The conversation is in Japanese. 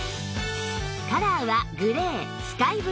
カラーはグレースカイブルーブラウン